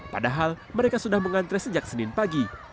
padahal mereka sudah mengantre sejak senin pagi